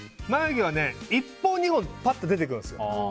眉毛は１本、２本ぱっと出てくるんですよ。